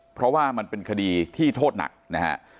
เพราะว่ามันเป็นคดีที่โทษหนักนะฮะ